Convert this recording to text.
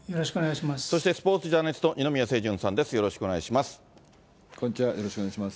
そしてスポーツジャーナリスト、二宮清純さんです、よろしくお願いします。